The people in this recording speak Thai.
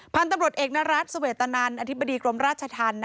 พันธุ์ตำรวจเอกนรัฐเสวตนันอธิบดีกรมราชธรรม